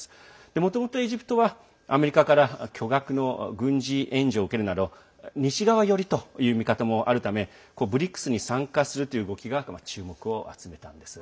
もともとエジプトはアメリカから巨額の軍事援助を受けるなど西側寄りという見方もあるためＢＲＩＣＳに参加するという動きが注目を集めたんです。